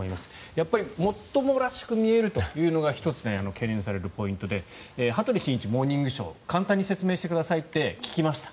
やっぱりもっともらしく見えるというのが１つ懸念されるポイントで「羽鳥慎一モーニングショー」簡単に説明してくださいと聞きました。